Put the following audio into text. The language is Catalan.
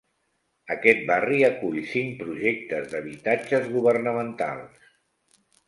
Aquest barri acull cinc projectes d'habitatges governamentals.